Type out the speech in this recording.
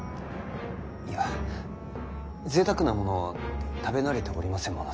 いやぜいたくなものを食べ慣れておりませんもので。